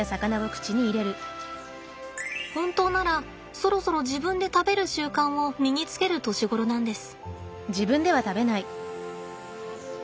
本当ならそろそろ自分で食べる習慣を身につける年頃なんです。